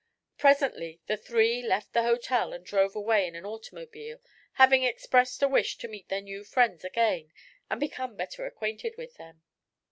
Presently the three left the hotel and drove away in an automobile, having expressed a wish to meet their new friends again and become better acquainted with them.